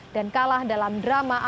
dan kalah dalam drama adunan